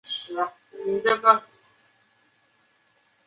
同俄承认了十姓部落的相对独立地位。